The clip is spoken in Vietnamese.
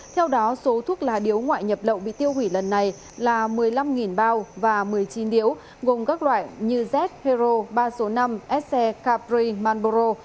theo đó số thuốc lá điếu ngoại nhập lậu bị tiêu hủy lần này là một mươi năm bao và một mươi chín điếu gồm các loại như z hero ba số năm ese capri manboro